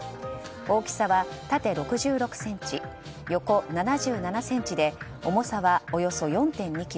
大きさは縦６６ｃｍ、横７７ｃｍで重さは、およそ４．２ｋｇ。